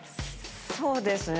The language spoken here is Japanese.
そうですね。